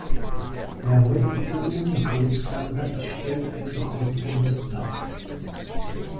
Der heutige Unicode-Standard stellt einen Kompromiss dar.